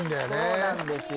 そうなんですよ。